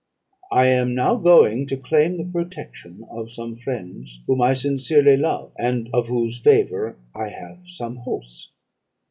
I am now going to claim the protection of some friends, whom I sincerely love, and of whose favour I have some hopes.'